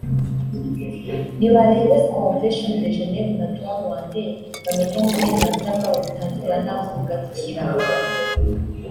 Nibarebe Convention de Génève na Droit rwandais bamenye aho uburenganzira bwabo butangirira n’aho bugarukira